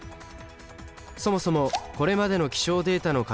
そもそもこれまでの気象データの活用